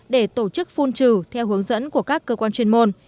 để tổ chức phun trừ theo hướng dẫn của các cơ quan chuyên môn